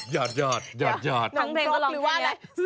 ทั้งเพลงก็ลองอย่างนี้ทั้งเพลงก็ลองอย่างนี้